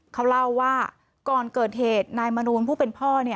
เขาเล่าว่าก่อนเกิดเหตุนายมนูลผู้เป็นพ่อ